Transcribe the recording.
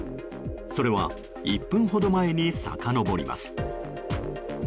それは、１分ほど前にさかのぼります。